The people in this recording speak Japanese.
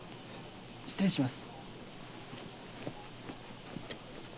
失礼します。